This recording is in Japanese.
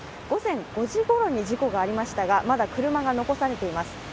午前５時ごろに事故がありましたがまだ車が残されています。